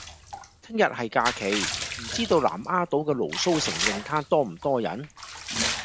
聽日係假期，唔知道南丫島嘅蘆鬚城泳灘多唔多人？